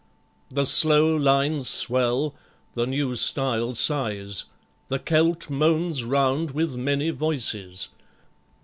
The slow lines swell. The new styles sighs. The Celt Moans round with many voices.